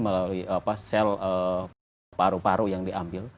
melalui sel paru paru yang diambil